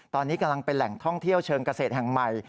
ตอนนี้กำลังเป็นแหล่งท่องเที่ยวเชิงเกษตรแห่งใหม่